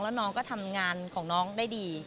แล้วน้องก็ทำงานของน้องได้ดี